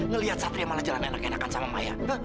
ngelihat satria malah jalan enak enakan sama maya